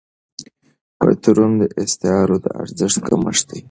تورم د اسعارو د ارزښت کمښت دی.